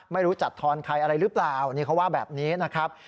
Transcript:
ไม่รู้จัดทอนใครอะไรหรือเปล่านี่เขาว่าแบบนี้นะครับ